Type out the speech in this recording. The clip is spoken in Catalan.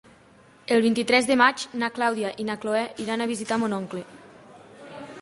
El vint-i-tres de maig na Clàudia i na Cloè iran a visitar mon oncle.